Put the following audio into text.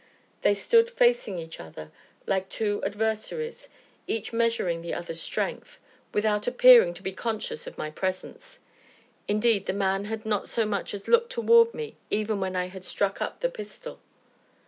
They stood facing each other, like two adversaries, each measuring the other's strength, without appearing to be conscious of my presence; indeed, the man had not so much as looked toward me even when I had struck up the pistol.